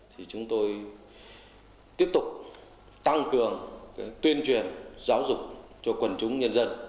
thì chúng tôi tiếp tục tăng cường tuyên truyền giáo dục cho quần chúng nhân dân